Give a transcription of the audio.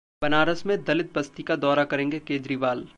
बनारस में दलित बस्ती का दौरा करेंगे केजरीवाल